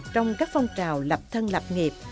trong các phong trào lập thân lập nghiệp